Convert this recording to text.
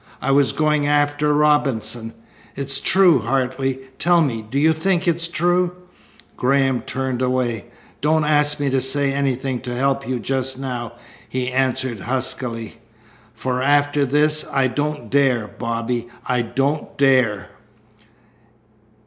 I was going after Robinson. It's true. Hartley! Tell me. Do you think it's true?" Graham turned away. "Don't ask me to say anything to help you just now," he answered huskily, "for after this I don't dare, Bobby. I don't dare."